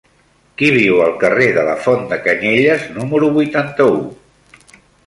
Qui viu al carrer de la Font de Canyelles número vuitanta-u?